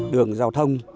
đường giao thông